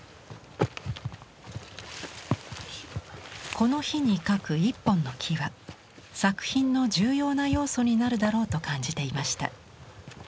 この日に描く一本の木は作品の重要な要素になるだろうと感じていました。